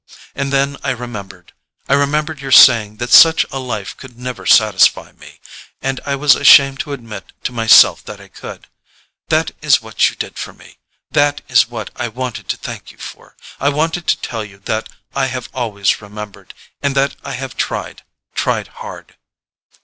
And then I remembered—I remembered your saying that such a life could never satisfy me; and I was ashamed to admit to myself that it could. That is what you did for me—that is what I wanted to thank you for. I wanted to tell you that I have always remembered; and that I have tried—tried hard...."